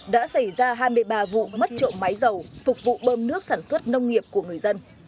đã xảy ra hai mươi ba vụ mất trộm máy dầu phục vụ bơm nước sản xuất nông nghiệp của người dân